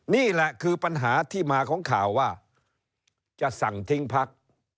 นี่แหละคือปัญหาที่มาของข่าวว่าจะสั่งทิ้งพัก